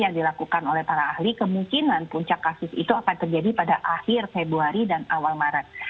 yang dilakukan oleh para ahli kemungkinan puncak kasus itu akan terjadi pada akhir februari dan awal maret